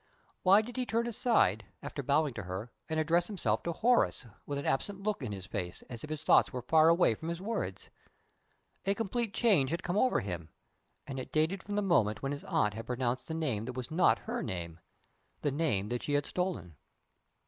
Why did he turn aside, after bowing to her, and address himself to Horace, with an absent look in his face, as if his thoughts were far away from his words? A complete change had come over him; and it dated from the moment when his aunt had pronounced the name that was not her name the name that she had stolen!